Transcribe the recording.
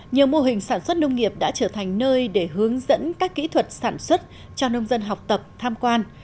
nhiều mô hình sản xuất nông nghiệp đã trở thành nơi để hướng dẫn các kỹ thuật sản xuất cho nông dân học tập tham quan